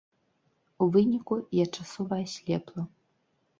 У выніку, я часова аслепла.